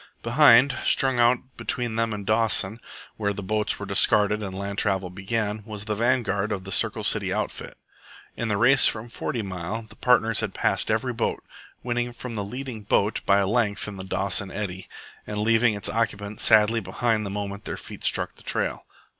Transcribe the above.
Behind, strung out between them and Dawson (where the boats were discarded and land travel began), was the vanguard of the Circle City outfit. In the race from Forty Mile the partners had passed every boat, winning from the leading boat by a length in the Dawson eddy, and leaving its occupants sadly behind the moment their feet struck the trail.